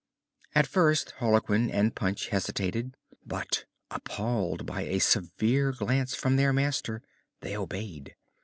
At first Harlequin and Punch hesitated; but, appalled by a severe glance from their master, they obeyed.